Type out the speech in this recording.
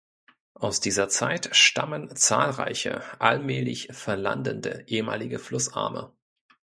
Aus dieser Zeit stammen zahlreiche, allmählich verlandende ehemalige Flussarme.